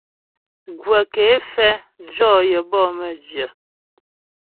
Gwə̀ ké fɛ jɔ yəbɔ mə́jyə.